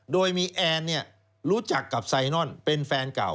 โดยมีแอนรู้จักกับไซนอนเป็นแฟนเก่า